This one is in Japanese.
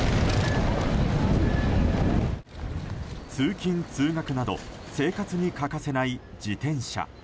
通勤・通学など生活に欠かせない自転車。